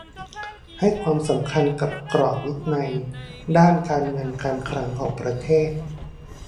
ให้ความสำคัญกับกรอบวินัยด้านการเงินการคลังของประเทศ